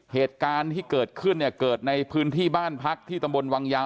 เหตุการณ์ที่เกิดขึ้นเนี่ยเกิดในพื้นที่บ้านพักที่ตำบลวังยาว